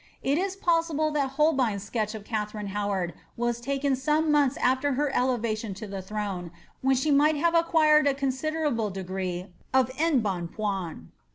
It is possible that Holbein's sketch of Katharine Howard was taken some months after her elevation to the throne, when she might have acquired a considerable degree of embonpoint.